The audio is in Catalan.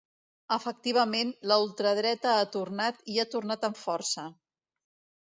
Efectivament, la ultradreta ha tornat, i ha tornat amb força.